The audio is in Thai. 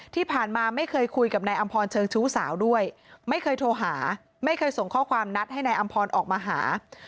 ที่ผ่านมาไม่เคยคุยกับนายอำพรเชิงชู้สาวด้วยไม่เคยโทรหาไม่เคยส่งข้อความนัดให้นายอำพรออกมาหา